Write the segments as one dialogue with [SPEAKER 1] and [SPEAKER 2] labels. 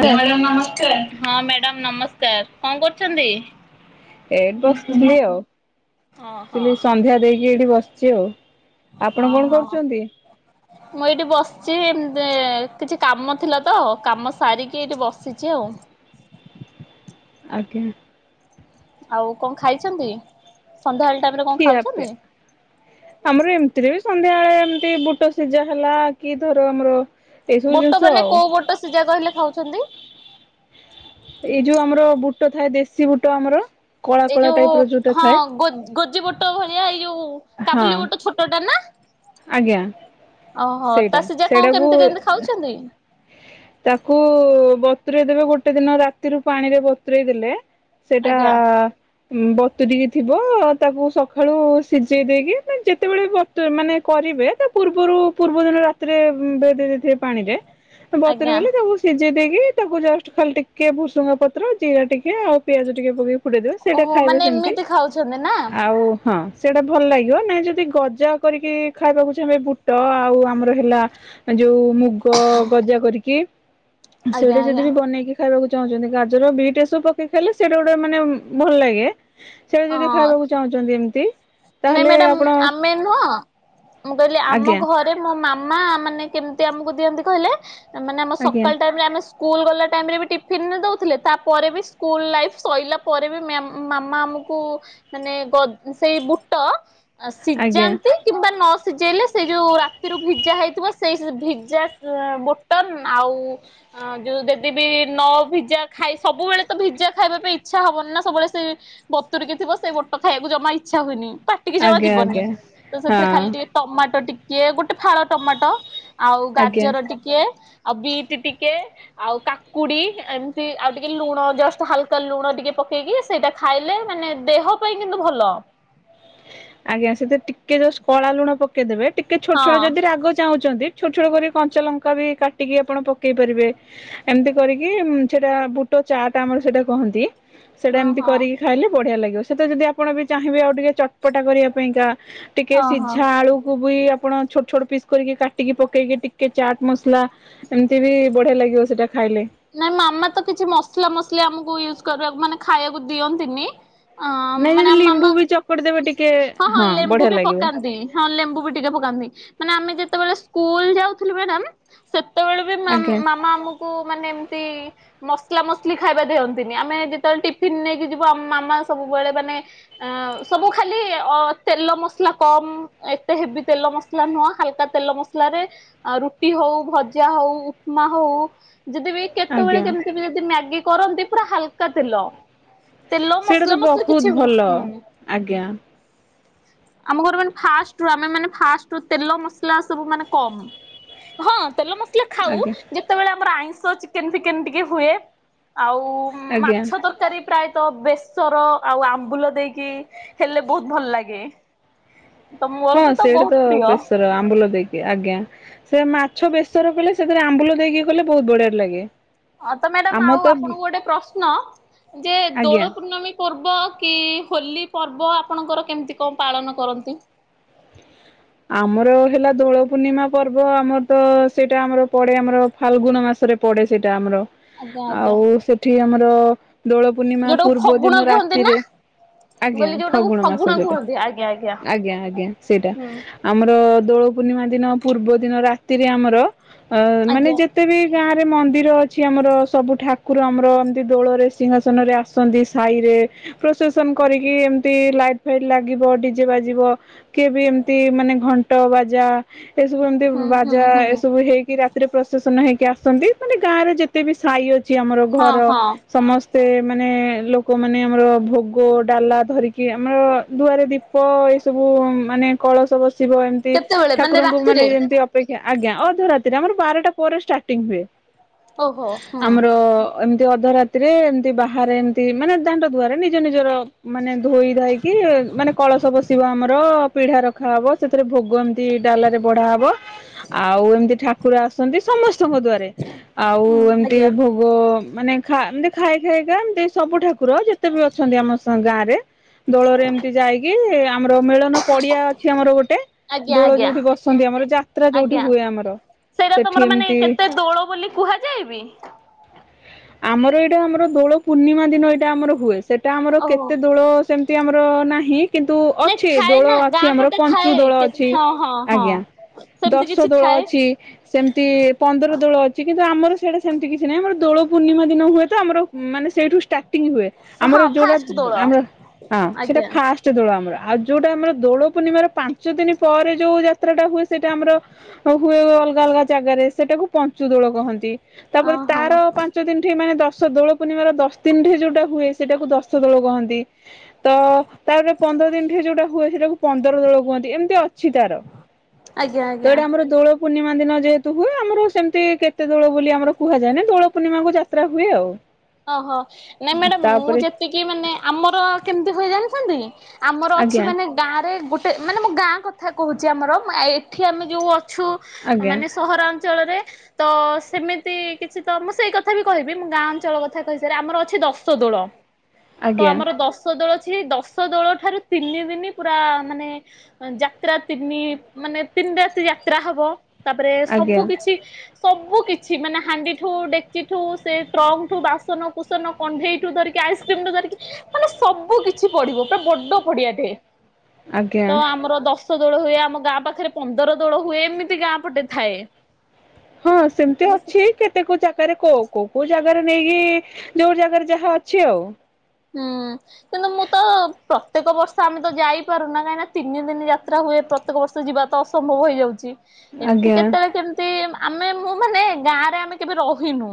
[SPEAKER 1] ଆଜ୍ଞା ମାଡାମ ନମସ୍କାର ହଁ ମ୍ୟାଡାମ ନମସ୍କାର କଣ କରୁଛନ୍ତି?
[SPEAKER 2] ଏଠି
[SPEAKER 1] କିଛି ନାହିଁ।
[SPEAKER 2] ବସିଥିଲି
[SPEAKER 1] ଓହୋ
[SPEAKER 2] ଆଉ ସନ୍ଧ୍ୟା ଦେଇକି ଏଇଠି ବସିଛି ଆଉ। ଆପଣ
[SPEAKER 1] ଅ
[SPEAKER 2] କଣ
[SPEAKER 1] ହଁ।
[SPEAKER 2] କରୁଛନ୍ତି? [inaudible]
[SPEAKER 1] ମୁଁ ଏଇଠି ବସିଛି ଏ କିଛି କାମ ଥିଲା ତ କାମ ସାରିକି ଏଇଠି ବସିଛି ଆଉ।
[SPEAKER 2] ଆଜ୍ଞା।
[SPEAKER 1] ଆଉ କଣ ଖାଇଛନ୍ତି ସନ୍ଧ୍ୟାବେଳେ ଟାଇମ ରେ କଣ
[SPEAKER 2] ଖିଆ ପିଆ
[SPEAKER 1] ଖାଉଛନ୍ତି?
[SPEAKER 2] ଆମର ଏମିତିରେ ବି ସନ୍ଧ୍ୟାବେଳେ ଏମିତି ବୁଟ ସିଝା ହେଲା କି ଧର ଆମର ଏଇ ସବୁ
[SPEAKER 1] ବୋଟ
[SPEAKER 2] ଜିନିଷ
[SPEAKER 1] ମାନେ
[SPEAKER 2] ଆଉ
[SPEAKER 1] କୋଉ ବୁଟ ସିଝା କହିଲେ ଖାଉଛନ୍ତି?
[SPEAKER 2] ଏଇ ଯୋଉ ଆମର ବୁଟ ଥାଏ ଦେଶୀ ବୁଟ ଆମର। କଳା
[SPEAKER 1] ଏଇ
[SPEAKER 2] କଳା
[SPEAKER 1] ଯୋଉ
[SPEAKER 2] ଟାଇପ ର ଯୋଉଟା
[SPEAKER 1] ହଁ
[SPEAKER 2] ଥାଏ
[SPEAKER 1] ଗୋଜି ବୁଟ ଭଳିଆ ଏଇ ଯୋଉ
[SPEAKER 2] ହଁ
[SPEAKER 1] କାବୁଲି ବୋଟ ଛୋଟଟା ନା।
[SPEAKER 2] ଆଜ୍ଞା
[SPEAKER 1] ଓହୋ ତ
[SPEAKER 2] ସେଇଟା
[SPEAKER 1] ସିଯା କଣ କେମିତି
[SPEAKER 2] ସେଇଟାକୁ
[SPEAKER 1] କେମତି ଖାଉଛନ୍ତି?
[SPEAKER 2] ତାକୁ ବତୁରେଇ ଦେବେ ଗୋଟେ ଦିନ ରାତିରୁ ପାଣିରେ ବତୁରଇ ଦେଲେ। ସେଇଟା
[SPEAKER 1] ଆଜ୍ଞା
[SPEAKER 2] ବତୁରିକି ଥିବ ତାକୁ ସକାଳୁ ସିଝେଇ ଦେଇକି ଯେତେବେଳେ ବ ମାନେ କରିବେ ତା ପୂର୍ବରୁ ପୂର୍ବ ଦିନ ରାତିରେ ଭେଦେଇ ଦେଇଥିବେ ପାଣିରେ। ବତରି
[SPEAKER 1] ଆଜ୍ଞା।
[SPEAKER 2] ଗଲେ ତାକୁ ସିଝେଇ ଦେଇକି ତାକୁ ଜଷ୍ଟ ଖାଲି ଟିକେ ଭୁସୁଙ୍ଗା ପତ୍ର ଜିରା ଟିକେ ଆଉ ପିଆଜ ଟିକେ ପକେଇି ଫୁଟେଇ ଦେବେ ସେଇଟା
[SPEAKER 1] ଓହୋ
[SPEAKER 2] ଖାଇବେ
[SPEAKER 1] ମାନେ
[SPEAKER 2] ସେମିତି
[SPEAKER 1] ଏମିତି ଖାଉଛନ୍ତି ନା
[SPEAKER 2] ଆଉ ହଁ ସେଇଟା ଭଲ ଲାଗିବ ନାଇଁ ଯଦି ଗଜା କରିକି ଖାଇବାକୁ ଚାହିଁବେ ବୁଟ ଆଉ ଆମର ହେଲା ଯୋଉ ମୁଗ ଗଜା କରିକି
[SPEAKER 1] ଆଜ୍ଞା
[SPEAKER 2] ସେଇଟା ଯଦି
[SPEAKER 1] ଆଜ୍ଞା।
[SPEAKER 2] ବି ବନେଇକି ଖାଇବାକୁ ଚାହୁଁଛନ୍ତି ଗାଜର ବିଟ୍ ଏସବୁ ପକେଇ ଖାଇଲେ ସେଇଟା ଗୋଟେ ମାନେ ଭଲ ଲାଗେ। ସେଗୁଡା ଯଦି
[SPEAKER 1] ହଁ
[SPEAKER 2] ଖାଇବାକୁ ଚାହୁଁଛନ୍ତି ଏମିତି
[SPEAKER 1] ନାଇଁ
[SPEAKER 2] ତାହେଲେ
[SPEAKER 1] ମ୍ୟାଡ଼ାାମ
[SPEAKER 2] ଆପଣ
[SPEAKER 1] ଆମେ ନୁହଁ ମୁଁ କହିଲି ଆମ
[SPEAKER 2] ଆଜ୍ଞା
[SPEAKER 1] ଘରେ ମୋ ମାମା ମାନେ କେମିତି ଆମକୁ ଦିଅନ୍ତି କହିଲେ ମାନେ ଆମ
[SPEAKER 2] ଆଜ୍ଞା
[SPEAKER 1] ସକାଳ ଟାଇମରେ ଆମେ ସ୍କୁଲ ଗଲା ଟାଇମରେ ବି ଟିଫିନ୍ ଦେଉଥିଲେ ତାପରେ ବି ସ୍କୁଲ ଲାଇଫ୍ ସରିଲା ପରେ ବି ମ୍ୟା ମାମା ଆମକୁ କୁ ମାନେ କ ସେଇ ବୁଟ
[SPEAKER 2] ଆଜ୍ଞା
[SPEAKER 1] ସିଝାନ୍ତି କିମ୍ବା ନ ସିଝେଇଲେ ସେ ଯୋଉ ରାତିରୁ ଭିଜା ହେଇଥିବ ସେଇ ଭିଜା ବୋ ଆଉ ଆ ଯୋଉ ଯଦିବିି ନଭିଜା ଖାଇ ସବୁବେଳେ ତ ଭିଜା ଖାଇବା ପାଇଁ ଇଚ୍ଛା ହବନି ନା ସବୁବେଳେ ସେ ବତୁୁରିକ ଥିବ ସେ ବୋଟ ଖାଇବାକୁ ଜମା ଇଚ୍ଛା ହୁଏନି ପାଟିକି ଜମା
[SPEAKER 2] ଆଜ୍ଞା
[SPEAKER 1] ଯିବନି
[SPEAKER 2] ଆଜ୍ଞା
[SPEAKER 1] ତ ସେଥିରେ ଖାଲି
[SPEAKER 2] ହଁ
[SPEAKER 1] ଟିକେ ଟମାଟୋ ଟିକେ ଗୋଟେ ଫାଳ ଟମାଟୋ ଆଉ
[SPEAKER 2] ଆଜ୍ଞା।
[SPEAKER 1] ଗାଜର ଟିକେ- ବିଟ୍ ଟିକେ ଆଉ କାକୁଡି ଏମିତି ଆଉ ଟିକେ ଲୁଣ ଜଷ୍ଟ ହାଲକା ଲୁଣ ଟିକେ ପକେଇକି ସେଇଟା ଖାଇଲେ ମାନେ ଦେହ ପାଇଁ କିନ୍ତୁ ଭଲ।
[SPEAKER 2] ଆଜ୍ଞା ସେଥି ଟିକେ ଜଷ୍ଟ କଳା ଲୁଣ ପକେଇଦେବେ ଟିକେ ଛୋଟ ଛୋଟ
[SPEAKER 1] ହଁ
[SPEAKER 2] ଯଦି ରାଗ ଚାହୁଁଛନ୍ତି। ଛୋଟ ଛୋଟ କରି କଞ୍ଚା ଲଙ୍କା ବି କାଟିକି ଆପଣ ପକେଇ ପାରିବେ। ଏମିତି କରିକି ସେଟା ବୁଟ ଚାଟ ଆମର ସେଇଟା କୁହନ୍ତି। ସେଇଟା ଏମିତି
[SPEAKER 1] ଓହୋ
[SPEAKER 2] କରିକି ଖାଇଲେ ବଢିଆ ଲାଗିବ ସେଟା ଯଦି ଆପଣ ବି ଚାହିଁବେ ଆଉ ଟିକେ ଚ ପଟା କରିବା ପାଇଁକା ଟିକେ
[SPEAKER 1] ଓହୋ।
[SPEAKER 2] ସିଝା ଆଳୁ ବି ଆପଣ ଛୋଟ ଛୋଟ ପିସ୍ କରିକି କାଟିକି ପକେଇକି ଟିକେ ଚାଟ୍ ମସଲା ଏମିତି ବି ବଢ଼ିଆ ଲାଗିବ ସେଇଟା ଖାଇଲେ।
[SPEAKER 1] ନାଇଁ ମାମା ତ କିଛି ମସଲା ମସଲି ଆମକୁ ୟୁଜ କରିବାକୁ ମାନେ ଖାଇବାକୁ ଦିଅନ୍ତିନି। ଅ
[SPEAKER 2] ନାଇଁ
[SPEAKER 1] ମାନେ
[SPEAKER 2] ଯଦି
[SPEAKER 1] ଆମ
[SPEAKER 2] ଲିମ୍ବୁ
[SPEAKER 1] ମାମା
[SPEAKER 2] ବି ଚକଟି ଦେବେ ଟିକେ ହଁ
[SPEAKER 1] ଲେମ୍ବୁ
[SPEAKER 2] ବଢିଆ
[SPEAKER 1] ବି
[SPEAKER 2] ଲାଗିବ।
[SPEAKER 1] ପକାନ୍ତି ହଁ ଲେମ୍ବୁ ବି ଟିକେ ପକାନ୍ତି ମାନେ ଆମେ ଯେତେବେଳେ ସ୍କୁଲ ଯାଉଥିଲୁ ମ୍ୟାଡମ ସେତେବେଳେ ମାମ
[SPEAKER 2] ଆଜ୍ଞା
[SPEAKER 1] ମାମା ଆମକୁ ମାନେ ଏମିତି ମସଲା ମସଲି ଖାଇବା ଦିଅନ୍ତିନି ଆମେ ଯେତେବେଳେ ଟିଫନ୍ ନେଇକି ଯିବୁ ଆମ ମାମା ସବୁବେଳେ ମାନେ ଆ ସବୁ ଖାଲି ଅ ତେଲ ମସଲା କମ ଏତେ ହେଭୀ ତେଲ ମସଲା ମସଲା ନୁହଁ ହାଲକା ତେଲ ମସଲାରେ ରୁଟି ହଉ ଭଜା ହଉ ଉପମା ହଉ ଯଦିବି
[SPEAKER 2] ଆଜ୍ଞା
[SPEAKER 1] କେତେବେଳେ କେମିତି ବି ଯଦି ମ୍ୟାଗି କରନ୍ତି ପୁରା ହାଲକା ତେଲ। ତେଲ
[SPEAKER 2] ସେଇଟା ତ
[SPEAKER 1] ମସଲା ମସଲି କିଛି
[SPEAKER 2] ବହୁତ ଭଲ
[SPEAKER 1] ହୁଁ
[SPEAKER 2] ଆଜ୍ଞା।
[SPEAKER 1] ଆମ ଘରେ ମାନେ ଫାଷ୍ଟରୁ ଆମେ ମାନେ ଫାଷ୍ଟ ତେଲ ମସଲା ସବୁ ମାନେ କମ ହଁ ତେଲ ମ ଖାଉ
[SPEAKER 2] ଆଜ୍ଞା
[SPEAKER 1] ଯେତେବେଳେ ଆମର ଆଇଁଷ ଚିକେନ ଫିକେନ ଟିକେ ହୁଏ ଆଉ ହଁ
[SPEAKER 2] ଆଜ୍ଞା।
[SPEAKER 1] ମାଛ ତର କାରି ପ୍ରାୟତଃ ବେସର ଆଉ ଆମ୍ବୁଲ ଦେଇକି ହେଲେ ବହୁତ ଭଲ ଲାଗେ। ତ ମୋର
[SPEAKER 2] ହଁ
[SPEAKER 1] ବି
[SPEAKER 2] ସେଇଟା
[SPEAKER 1] ବହୁତ
[SPEAKER 2] ତ
[SPEAKER 1] ପ୍ରିୟ
[SPEAKER 2] ବେସର ଆମ୍ବୁଲ ଦେଇକି ଆଜ୍ଞା। ସେ ମାଛ ବେସର କଲେ ସେଥିରେ ଆମ୍ବୁଲ ଦେଇକି କଲେ ବହୁତ ବଢିଆ ଲାଗେ।
[SPEAKER 1] ହଁ ତ ମ୍ୟାଡାମ
[SPEAKER 2] ଆମର
[SPEAKER 1] ଆଉ
[SPEAKER 2] ତ
[SPEAKER 1] ଆପଣଙ୍କୁ ଗୋଟେ ପ୍ରଶ୍ନ ଯେ
[SPEAKER 2] ଆଜ୍ଞା
[SPEAKER 1] ଦୋଳ ପୂର୍ଣ୍ଣମୀ ପର୍ବ କି ହୋଲି ପର୍ବ ଆପଣଙ୍କର କେମିତି କଣ ପାଳନ କରନ୍ତି?
[SPEAKER 2] ଆମର ହେଲା ଦୋଳ ପୂର୍ଣ୍ଣିମା ପର୍ବ ଆମର ତ ସେଇଟା ଆମର ପଡେ ଆମର ଫାଲଗୁନ ମାସରେ ପଡେ ସେଇଟା ଆମର
[SPEAKER 1] ଆଜ୍ଞା ଆଜ୍ଞା
[SPEAKER 2] ଆଉ ସେଠି ଆମର ଦୋଳ ପୂର୍ଣ୍ଣିମା
[SPEAKER 1] ଯୋଉଟାକୁ
[SPEAKER 2] ପୂର୍ବ
[SPEAKER 1] ଫଗୁଣ
[SPEAKER 2] ଦିନ
[SPEAKER 1] କୁହନ୍ତି ନା?
[SPEAKER 2] ରାତିରେ
[SPEAKER 1] ମୁଁ
[SPEAKER 2] ଆଜ୍ଞା
[SPEAKER 1] କହିଲି ଯୋଉଟାକୁ
[SPEAKER 2] ଫଗୁଣ ମାସ ଯୋଉଟା
[SPEAKER 1] କୁହନ୍ତି ଆଜ୍ଞା
[SPEAKER 2] ଆଜ୍ଞା ଆଜ୍ଞା ସେଇଟା।
[SPEAKER 1] ହୁଁ
[SPEAKER 2] ଆମର ଦୋଳ ପୂର୍ଣ୍ଣିମା ଦିନ ପୂର୍ବ ଦିନ ରାତିରେ ଆମର ଅ ମାନେ
[SPEAKER 1] ଆଜ୍ଞା
[SPEAKER 2] ଯେ ଏତେ ବି ଗାଁ ରେ ମନ୍ଦିର ଅଛି ଆମର ସବୁ ଠାକୁର ଆମର ଏମିତି ଦୋଳରେ ସିଂହାସନରେ ଆସ ସାହିରେ ପ୍ରସେସନ କରିକି ଏମତି ଲାଇଟ ଫାଇଟ୍ ଲାଗିବ ଡିଜେ ବାଜିବ। କିଏ ବି ଏମିତି ମାନେ ଘଣ୍ଟ ବାଜା ଏସବୁ ଏମତି
[SPEAKER 1] ହୁଁ ହୁଁ
[SPEAKER 2] ବାଜା
[SPEAKER 1] ହୁଁ
[SPEAKER 2] ଏସବୁ ହେଇକି ରେ ପ୍ରଶାସନ ହେଇକି ଆସନ୍ତି ମାନେ ଗାଁରେ ଯେତେ ବି ସାହି ଅଛି ଆମର
[SPEAKER 1] ହଁ
[SPEAKER 2] ଘର
[SPEAKER 1] ହଁ
[SPEAKER 2] ସମସ୍ତ୍ ସେ ମାନେ ଲୋକମାନେ ଆମର ଭୋଗ ଡାଲା ଧରିକି ଆମର ଦୁଆରେ ଦୀ ଏଇ ସବୁ ମାନେ କଳସ ବସିବ ଏମିତି
[SPEAKER 1] କେତେବେଳେ
[SPEAKER 2] ଠାକୁରଙ୍କୁ ମାନେ
[SPEAKER 1] ରାତିରେ?
[SPEAKER 2] ଯେମତି ଅପେକ୍ଷା ଆଜ୍ଞା ଅଧ ରାତିରେ ଆମର ବାରଟା ପରେ ଷ୍ଟାର୍ଟିଂ ହୁଏ
[SPEAKER 1] ଓହୋ ହୁଁ
[SPEAKER 2] ଆମର ଏମିତି ଅଧ ରାତିରେ ଏମିତି ବାହାରେ ଏମତି ମାନେ ଦାଣ୍ଡ ଧୁଆରେ ନିଜ ନିଜର ମାନେ ଧୋଇ ଧାଇକି ମାନେ କଳସ ବସିବ ଆମର ପିଢା ର ଖାହବ ସେଥିରେ ଭୋଗ ଏମିତି ଡାଲାରେ ବଢା ହବ। ଆଉ ଏମିତି ଠାକୁର ଆସନ୍ତି ସମସ୍ତଙ୍କ ଦ୍ୱାରରେ ଆଉ
[SPEAKER 1] ହୁଁ
[SPEAKER 2] ଏମତି
[SPEAKER 1] ଆଜ୍ଞା
[SPEAKER 2] ଭ ମାନେ ଏମତି ଖାଇ ଖାଇକା ଏମତି ସବୁ ଠାକୁର ଯେତେବି ଅଛନ୍ତି ଆମ ଗାଁ ରେ ଦୋଳରେ ଏମିତି ଯାଇକି ଆମର ମେଳନ ପଡିଆ ଅ ଅଛି ଆମର ଗୋଟେ
[SPEAKER 1] ଆଜ୍ଞା
[SPEAKER 2] ଦୋଳ
[SPEAKER 1] ଆଜ୍ଞା
[SPEAKER 2] ଯୋଉଠି ବସନ୍ତି ଆମର ଯାତ୍ରା ଯୋଉଠି
[SPEAKER 1] ଆଜ୍ଞା।
[SPEAKER 2] ହୁଏ ଆମର।
[SPEAKER 1] ସେଇଟା
[SPEAKER 2] ସେଠି
[SPEAKER 1] ତମର ମାନେ
[SPEAKER 2] ଏମିତି
[SPEAKER 1] କେତେ ଦୋଳ ବୋଲି କୁହା ଯାଏ ବି।
[SPEAKER 2] ଆମର ଏଇଟା ଆମର ଦୋଳ ପୂର୍ଣ୍ଣିମା ଦିନ ଏଇଟା ଆମର ହୁଏ ସେଟା ଆମର
[SPEAKER 1] ଓହୋ
[SPEAKER 2] କେତେ ଦୋଳ କେମତି ଆମର ନାହିଁ। କିନ୍ତୁ
[SPEAKER 1] ନାଇଁ
[SPEAKER 2] ଅଛି
[SPEAKER 1] ଥାଏ
[SPEAKER 2] ଦୋଳ
[SPEAKER 1] ନା
[SPEAKER 2] ଅଛି
[SPEAKER 1] ଗାଁ
[SPEAKER 2] ଆମର
[SPEAKER 1] ପଟେ
[SPEAKER 2] ପଞ୍ଚୁ
[SPEAKER 1] ଥାଏ
[SPEAKER 2] ଦୋଳ ଅଛି
[SPEAKER 1] ହଁ ହଁ ହଁ।
[SPEAKER 2] ଆଜ୍ଞା।
[SPEAKER 1] ସେମିତି
[SPEAKER 2] ଦଶ
[SPEAKER 1] କିଛି
[SPEAKER 2] ଦୋଳ
[SPEAKER 1] ଥାଏ
[SPEAKER 2] ଅଛି ସେମତି ପନ୍ଦର ଦୋଳ ଅଚି କିନ୍ତୁ ଆମର ସେଡେ ସେମତି କିଛି ନାହିଁ ଆମର ଦୋଳ ପୂର୍ଣ୍ଣିମା ଦିନ ହୁଏ ତ ଆମର ଉଁ ମାନେ ସେଇଠୁ ଷ୍ଟାର୍ଟିଙ୍ଗ ହୁଏ ଆମର
[SPEAKER 1] ହଁ
[SPEAKER 2] ଯୋଉରା
[SPEAKER 1] ଫାଷ୍ଟ
[SPEAKER 2] ଦ୍
[SPEAKER 1] ଦୋଳ
[SPEAKER 2] ଆମ ହଁ ସେଇଟା
[SPEAKER 1] ଆଜ୍ଞା।
[SPEAKER 2] ଫାଷ୍ଟ୍ ଦୋଳ ଆମର ଆଉ ଯୋଉଟା ଆମର ଦୋଳ ପୂର୍ଣ୍ଣିମାର ପାନ୍ ଚ ଦିନି ପରେ ଯୋଉ ଯାତ୍ରାଟା ହୁଏ ସେଇଟା ଆମର ହଉ ହୁଏ ଅଲଗା ଅଲଗା ଜାଗାରେ ସେଟାକୁ ପଞ୍ଚୁ ଦୋଳ କହନ୍ତି। ତାପରେ
[SPEAKER 1] ଓହୋ
[SPEAKER 2] ତାର ପାଞ୍ଚ ଦିନଠି ମାନେ ଦଶ ଦୋଳ ପୂର୍ଣ୍ଣିମାର ଦଶ ଦିନଠି ଯୋଉଟା ହୁଏ ସେଟାକୁ ଦଶ ଦୋଳ କହନ୍ତି। ତ ତାପରେ ପନ୍ଦର ଦିନଠି ଯୋଉଟା ହୁଏ ସେଟାକୁ ପନ୍ଦର ଦୋଳ କୁହନ୍ତି ଏମିତି ଅଛି ତାର।
[SPEAKER 1] ଆଜ୍ଞା ଆଜ୍ଞା।
[SPEAKER 2] ପୂର୍ଣିମା ଦିନ ଯେହେତୁ ହୁଏ ଆମର ସେମତି କେତେ ଦୋଳ ବୋଲି ଆମର କୁହାଯାଏନା ଦୋଳ ପୂର୍ଣ୍ଣିମାକୁ ଯାତ୍ରା ହୁଏ ଆଉ।
[SPEAKER 1] ଓହୋ ନାଇଁ ମ୍ୟାଡାମ୍ ମୁଁ
[SPEAKER 2] ତାପରେ
[SPEAKER 1] ଯେତିକି ମାନେ ଆମର କେମତି ହୁଏ ଜାଣିଛନ୍ତି? ଆମର ଅଛି
[SPEAKER 2] ଆଜ୍ଞା
[SPEAKER 1] ମାନେ ଗାଁରେ ଗୋଟେ ଉଁ ମାନେ ମୁଁ ଗାଁ କଥା କହୁଛି ଆମର ମା ଏ ଏଠି ଆମେ ଯୋଉ ଅ ଛୁ ଉଁ
[SPEAKER 2] ଆଜ୍ଞା
[SPEAKER 1] ମାନେ ସହର ଅଞ୍ଚଳରେ ତ ସେମିତି କିଛି ତ ମୁଁ ସେଇ କଥା ବି କହିବି ମୁଁ ଗାଁ ଅଞ୍ଚଳ କ ଥା କହିସାରେ ଆମର ଅଛି ଦଶ ଦୋଳ ତ
[SPEAKER 2] ଆଜ୍ଞା
[SPEAKER 1] ଆମର ଦଶ୍ ଶ ଦୋଳ ଅଛି ଦଶ ଦୋଳ ଠାରୁ ତିନି ଦିନି ପୁରା ମାନେ ଉଁ ଯାତ୍ରା ତିନି ମାନେ ତିନ ରାତି ଯାତ୍ରା ହବ ତାପରେ ସବୁ
[SPEAKER 2] ଆଜ୍ଞା
[SPEAKER 1] କିଛି ସବୁ କିଛି ମାନେ ହାଣ୍ଡିଠୁ ଡେକଚିଠୁ ସେ ଟ୍ରଙ୍କଠୁ ବାସ୍ ସନ କୁସନ କଣ୍ଢେଇଠୁ ଧରିକି ଆଇସ୍କ୍ରିମଟୁ ଧରିକି ମାନେ ସବୁ କିଛି ପଡିବ ପୁରା ବଡ ପଡିଆଟେ
[SPEAKER 2] ଆଜ୍ଞା
[SPEAKER 1] ତ ଆମର ଦଶ୍ ତ ଦୋଳ ହୁଏ ଆମ ଗାଁ ପାଖେରେ ପନ୍ଦର ଦୋଳ ହୁଏ ଏମିତି ଗାଁ ପଟେ ଥାଏ।
[SPEAKER 2] ହଁ ସେମତି
[SPEAKER 1] ମୁଁ
[SPEAKER 2] ଅଛି କେତେ କୋଉ ଜାଗାରେ କୋଉ କୋଉ କୋଉ ଜାଗାରେ ନେଇକି ଯୋଉ ଜାଗାରେ ଯାହା ଅଛି ଆଉ।
[SPEAKER 1] ହୁଁ। କିନ୍ତୁ ମୁଁ ତ ପ୍ରତେକ ବର୍ଷ ଆମେ ତ ଯାଇପାରୁନା କାଇଁ ନା ତିନି ଦିନି ଯାତ୍ରା ହୁଏ। ପ୍ର ପ୍ରତେକ ବର୍ଷ ଯିବା ତ ଅସମ୍ଭବ ହେଇଯାଉଚି। ଏମତି
[SPEAKER 2] ଆଜ୍ଞା
[SPEAKER 1] କେତେବେଳେ କେମତି ଆମେ ମୁଁ ମାନେ ଗାଁରେ ଆମେ କେବେ ରହିନୁ।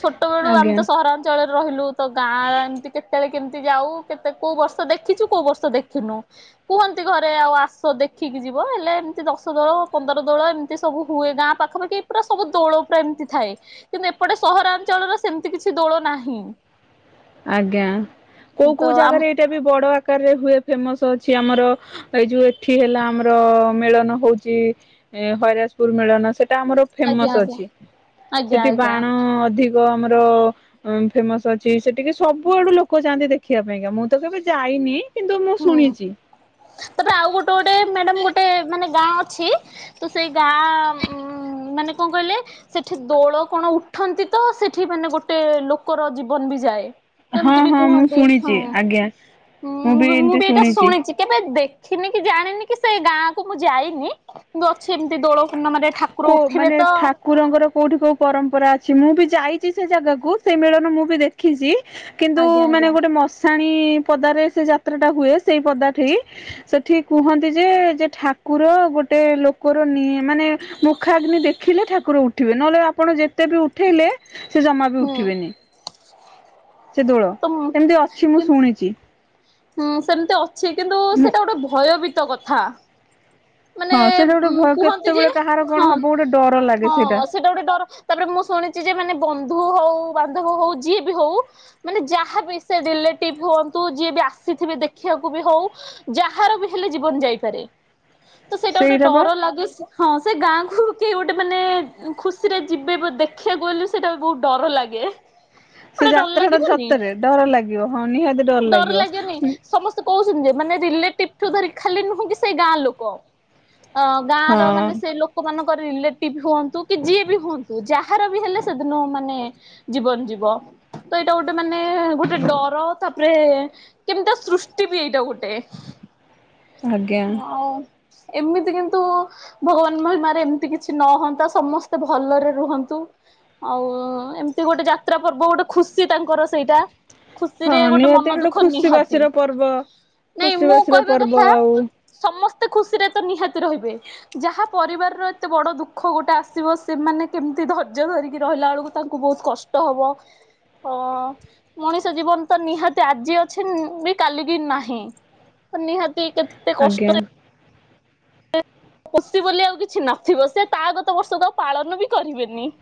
[SPEAKER 1] ଛୋଟବେଳୁ ଆମ୍
[SPEAKER 2] ଆଜ୍ଞା
[SPEAKER 1] ତ ସହରାଞ୍ଚଳରେ ରହିଲୁ ତ ଗାଁ ତି କେତେବେଳେ କେମତି ଯାଉ କେତେ କୋଉ ବର୍ଷ ଦେଖିଛୁ କୋଉ ବର୍ଷ ଦେଖିନୁ। କୁହନ୍ତି ଘରେ ଆଉ ଆସ ଦେଖିକି ଯିବ ହେଲେ ଏମତି ଦଶ ଦୋଳ ପନ୍ଦର ଦୋଳ ଏମତି ସବୁ ହୁଏ ଗାଁ ପାଖାପାଖ୍ କି ପୁରା ସବୁ ଦୋଳ ପୁରା ଏମତି ଥାଏ କିନ୍ତୁ ଏପଟେ ସହରାଞ୍ଚଳରେ ସେମତି କିଛି ଦୋଳ ନାହିଁ।
[SPEAKER 2] ଆଜ୍ଞା କୋଉ
[SPEAKER 1] ତ
[SPEAKER 2] କୋଉ
[SPEAKER 1] ଆମ
[SPEAKER 2] ଜାଗାରେ ଏଇଟା ବି ବଡ ଆକାରରେ ହୁଏ ଫେମସ୍ ଅଛି ଆମର ଏଇ ଯୋଉ ଏଠି ହେଲା ଆମର ମେଳନ ହଉଚି ଏଁ ହଇରାଜପୁର ମେଳନ ସେ ଟା ଆମର
[SPEAKER 1] ଆଜ୍ଞା
[SPEAKER 2] ଫେମସ୍
[SPEAKER 1] ଆଜ୍ଞା।
[SPEAKER 2] ଅଛି
[SPEAKER 1] ଆଜ୍ଞା
[SPEAKER 2] ସେଠି
[SPEAKER 1] ଆଜ୍ଞା
[SPEAKER 2] ବାଣ ଅଧି କ ଆମର ଅଁ ଫେମସ୍ ଅଛି। ସେଠିକି ସବୁଆଡୁ ଲୋକ ଯାଆନ୍ତି ଦେଖିବା ପାଇଁକା ମୁଁ ତ କେବେ ଯାଇନି। କିନ୍ତୁ ମୁଁ
[SPEAKER 1] ହୁଁ
[SPEAKER 2] ଶୁଣିଛି।
[SPEAKER 1] ତାପରେ ଆଉ ଗୋଟେ ଗୋଟେ ମ୍ୟାଡାମ୍ ଗୋଟେ ମାନେ ଗାଁ ଅଛି ତ ସେଇ ଗାଁ ଉଁ ମାନେ କଁ କହିଲେ ସେଠି ଦୋଳ କଣ ଉଠନ୍ତି ତ ସେଠି ମାନେ ଗୋଟେ ଲୋକର ଜୀବନ ବି ଯାଏ।
[SPEAKER 2] ହଁ
[SPEAKER 1] ଏମତି ବି
[SPEAKER 2] ହଁ ମୁଁ
[SPEAKER 1] କୁହନ୍ତି ହଁ
[SPEAKER 2] ଶୁଣିଛି ଆଜ୍ଞା
[SPEAKER 1] ଉଁ ମୁଁ ବି ମୁଁ ବି ଏଇଟା ଶୁଣିଚି। କେବେ ଦେଖିନି କି ଜାଣିନି କି ସେ ଗାଁକୁ ମୁଁ ଯାଇନି କିନ୍ତୁ ଅଛି ଏମତି ଦୋଳ ପୂର୍ଣ୍ଣମାରେ ଠାକୁର
[SPEAKER 2] କୋ
[SPEAKER 1] ଉଠିବେ
[SPEAKER 2] ମାନେ
[SPEAKER 1] ତ
[SPEAKER 2] ଠାକ୍ କୁରଙ୍କର କୋଉଠି କୋଉ ପରମ୍ପରା ଅଛି ମୁଁ ବି ଯାଇଛି ସେ ଜାଗାକୁ ସେଇ ମିଳନ ମୁଁ ବି ଦେଖିଛି। କିନ୍ତୁ
[SPEAKER 1] ଆଜ୍ଞା
[SPEAKER 2] ମାନେ
[SPEAKER 1] ଆଜ୍ଞା
[SPEAKER 2] ଗୋଟେ ମଶାଣି ପଦାରେ ସେ ଯାତ୍ରା ଟା ହୁଏ ସେଇ ପଦାଠି ସେଠି କୁହନ୍ତି ଯେ ଯେ ଠାକୁର ଗୋଟେ ଲୋକର ନି ମାନେ ମୁଖାଗ୍ନି ଦେଖିଲେ ଠାକୁର ଉଠିବେ ନହେଲେ ଆପଣ ଯେ ତେ ବି ଉଠେଇଲେ ସେ ଜମା ବି
[SPEAKER 1] ହୁଁ
[SPEAKER 2] ଉଠିବେନି। ସେ ଦୋଳ
[SPEAKER 1] ତ
[SPEAKER 2] ଏମିତି ଅଛି ମୁଁ ଶୁଣିଛି।
[SPEAKER 1] ହୁଁ ସେମିତି ଅଛି କିନ୍ତୁ
[SPEAKER 2] ମୁଁ
[SPEAKER 1] ସେଇଟା ଗୋଟେ ଭୟଭୀତ କଥା। ମାନେ
[SPEAKER 2] ହଁ ସେଇଟା ଗୋଟେ
[SPEAKER 1] ଉଁ
[SPEAKER 2] ଭୟ
[SPEAKER 1] କୁହନ୍ତି ଯେ
[SPEAKER 2] କେତେବେଳେ କାହାର
[SPEAKER 1] ହଁ
[SPEAKER 2] କଣ ହବ ଗୋଟେ ଡର ଲାଗେ ସେଇଟା।
[SPEAKER 1] ହଁ ଗୋଟେ ଡର ତାପରେ ମୁଁ ଶୁଣିଛି ଯେ ମାନେ ବନ୍ଧୁ ହଉ ବାନ୍ଧବ ହଉ ଯିଏ ବି ହଉ ମାନେ ଯାହା ବି ସେ ରିଲେଟିଭ ହୁଅନ୍ତୁ ଯିଏ ବି ଆସିଥିବେ ଦେଖିବାକୁ ବି ହଉ। ଯାହାର ବି ହେଲେ ଜୀବନ ଯାଇପାରେ ତ ସେଇଟା ଗୋଟେ ଡର ଲାଗେ ସେ ହଁ ସେ ଗାଁକୁ କିଏ ଗୋଟେ ମାନେ ଖୁସିରେ ଯିବେ ବ ଦେଖିବାକୁ ଗଲେ ସେଇଟା ବି ବୋହୁତ ଡର ଲାଗେ।
[SPEAKER 2] ସେ
[SPEAKER 1] ଗୋଟେ ଡର
[SPEAKER 2] ଯାତ୍ରା ଟା
[SPEAKER 1] ଲାଗିବନି
[SPEAKER 2] ସତରେ ଡର ଲାଗିବ ହଁ ନିହାତି ଡର ଲାଗିବ ଉଁ
[SPEAKER 1] ସେ କହୁଛନ୍ତି ଯେ ମାନେ ରିଲେଟିଭ ଧରି ଖାଲି ନୁହୁଁ କି ସେଇ ଗାଁ ଲୋକ। ଅ ଗାଁ ର
[SPEAKER 2] ହଁ
[SPEAKER 1] ମାନେ ସେ ଲୋ କ ମାନଙ୍କର ରିଲେଟିଭ ହୁଅନ୍ତୁ କି ଯିଏ ବି ହୁଅନ୍ତୁ ଯାହାର ବି ହେଲେ ସେଦିନ ମାନେ ଜୀବନ ଯିବ। ତ ଏଇଟା ଗୋଟେ ମାନେ ଗୋଟେ ଡର ତାପରେ କେମିତିଆ ସୃଷ୍ଟି ବି ଏଇଟା ଗୋଟେ।
[SPEAKER 2] ଆଜ୍ଞା
[SPEAKER 1] ଆଉ ଏମିତି କିନ୍ତୁ ଭଗବାନ ମହିମାରେ ଏମିତି କିଛି ନ ହନ୍ତା ସମସ୍ତେ ଭଲରେ ରୁହନ୍ତୁ। ଆଉ ଏମିତି ଗୋଟେ ଯାତ୍ରା ପର୍ବ ଗୋଟେ ଖୁସି ତାଙ୍କର ସେଇଟା। ଖୁସିରେ
[SPEAKER 2] ହଁ
[SPEAKER 1] ଗୋଟେ
[SPEAKER 2] ନିହାତି
[SPEAKER 1] ମନ ଦୁଃଖ
[SPEAKER 2] ଖୁସି
[SPEAKER 1] ନିହାତି
[SPEAKER 2] ବାସିର ପର୍ବ।
[SPEAKER 1] ନାଇଁ
[SPEAKER 2] ଖୁସି
[SPEAKER 1] ମୁଁ
[SPEAKER 2] ବାସିର
[SPEAKER 1] କହିବା
[SPEAKER 2] ପର୍ବ
[SPEAKER 1] କଥା
[SPEAKER 2] ଆଉ
[SPEAKER 1] ସମସ୍ତେ ଖୁସିରେ ତ ନିହାତି ରହିବେ। ଯାହା ପରିବାରର ଏତେ ବଡ଼ ଦୁଃଖ ଗୋଟେ ଆସିବ ସେମାନେ କେମିତି ଧୈର୍ଯ୍ୟ ଧରିକି ରହିଲା ବେଳକୁ ତାଙ୍କୁ ବୋହୁତ କଷ୍ଟ ହବ। ଅଁ ମଣିଷ ଜୀବନ ତ ନିହାତି ଆଜି ଅଛି ବି କାଲିକି ନାହିଁ। ତ ନିହାତି କେତ୍
[SPEAKER 2] ଆଜ୍ଞା।
[SPEAKER 1] ଏ ଖୁସି ବୋଲି ଆଉ କିଛି ନଥିବ ସେ ତା ଗତ ବର୍ଷକୁ ଆଉ ପାଳନ ବି କରିବେନି।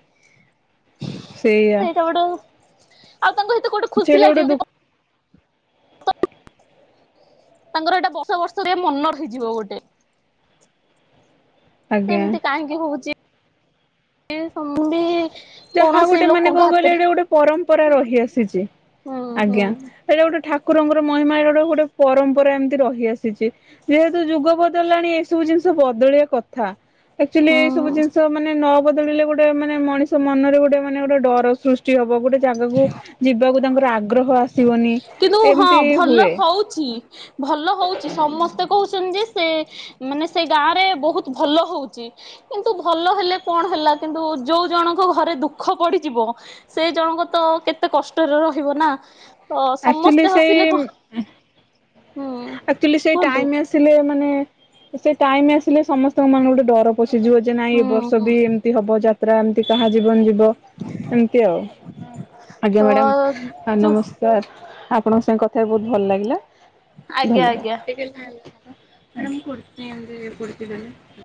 [SPEAKER 2] ସେଇଆ
[SPEAKER 1] ସେଇଟା ଗୋଟେ ଆଉ ତାଙ୍କ ହେତେ ଗୋଟେ ଖୁସି
[SPEAKER 2] ସେଇଟା ଗୋଟେ
[SPEAKER 1] ଲାଗିବ
[SPEAKER 2] ଦୁ
[SPEAKER 1] କି କ ତାଙ୍କର ଏଇଟା ବର୍ଷ ବର୍ଷରେ ମନ ରହିଯିବ ଗୋଟେ। ତ
[SPEAKER 2] ଆଜ୍ଞା
[SPEAKER 1] ଏମିତି କାହିଁକି ହୋଉଛି? ଏ ସମ୍ଭୁ ବି
[SPEAKER 2] ଯାହା ଗୋଟେ
[SPEAKER 1] କୌଣସି
[SPEAKER 2] ମାନେ କଣ
[SPEAKER 1] ଲୋକଙ୍କ
[SPEAKER 2] କହିଲ
[SPEAKER 1] ହାତରେ
[SPEAKER 2] ଏଇଟା ଗୋଟେ ପରମ୍ପରା ରହିଆସିଛି।
[SPEAKER 1] ହୁଁ ହୁଁ
[SPEAKER 2] ହେଇଟା ଗୋଟେ ଠାକୁରଙ୍କର ମହିମା ଏଇଟା ଗୋଟେ ଗୋଟେ ପରମ୍ପରା ଏମିତି ରହିଆସିଛି। ଯେହେତୁ ଯୁଗ ବଦଳି ଲାଣି ଏସବୁ ଜିନିଷ ବଦଳିବା କଥା। ଆକ୍ଚୁଆଲି ଏଇ ସବୁ
[SPEAKER 1] ହୁଁ
[SPEAKER 2] ଜିନିଷ ମାନେ ନ ବଦଳିଲେ ଗୋଟେ ମାନେ ମଣିଷ ମନରେ ଗୋଟେ ମାନେ ଗୋଟେ ଡର ସୃଷ୍ ଟି ହବ ଗୋଟେ ଜାଗାକୁ ଯିବାକୁ ତାଙ୍କର ଆଗ୍ରହ ଆସିବନି ଏମିତି ହୁଏ।
[SPEAKER 1] ଚି ଭଲ ହୋଉଛି ସମସ୍ତେ କହୁଛନ୍ତି ଯେ ସେ ମାନେ ସେ ଗାଁ ରେ ବୋହୁତ ଭଲ ହଉଛି। କିନ୍ତୁ ଭଲ ହେଲେ କଣ ହେଲା କିନ୍ତୁ ଯୋଉ ଜଣଙ୍କ ଘରେ ଦୁଃଖ ପଡ଼ିଯିବ। ସେ ଜଣଙ୍କ ତ କେତେ କଷ୍ଟରେ ରହିବ ନା। ତ
[SPEAKER 2] ଆକ୍ଚୁଆଲି
[SPEAKER 1] ସମସ୍ତେ
[SPEAKER 2] ସେ
[SPEAKER 1] ହସିଲେ କଣ
[SPEAKER 2] ଉଁ ହୁଃ।
[SPEAKER 1] ହୁଁ
[SPEAKER 2] ଆକ୍ଚୁଆଲି ସେଇ
[SPEAKER 1] କୁହନ୍ତୁ
[SPEAKER 2] ଟାଇମ ଆସ୍ ସିଲେ ମାନେ ସେ ଟାଇମ୍ ଆସିଲେ ସମସ୍ତଙ୍କ ମାନ ଗୋଟେ ଡର ପଶିଯିବ। ଯେ ନାଇଁ ଏ
[SPEAKER 1] ହୁଁ
[SPEAKER 2] ବର୍ଷ
[SPEAKER 1] ହୁଁ
[SPEAKER 2] ବି ଏମିତି ହବ ଯାତ୍ରା ଏମିତି କାହା ଜୀବନ ଯିବ ଏମିତି ଆଉ। ଆଜ୍ଞା
[SPEAKER 1] ତ
[SPEAKER 2] ମ୍ୟାଡାମ ଆ
[SPEAKER 1] ଯୋଉ
[SPEAKER 2] ନମସ୍କାର ଆପଣଙ୍କ ସାଙ୍ଗେ କଥା ହେଇ ବୋହୁତ ଭଲ ଲାଗିଲା।
[SPEAKER 1] ଆଜ୍ଞା ଆଜ୍ଞା।
[SPEAKER 2] ଧନ୍ୟବାଦ [unintelligible]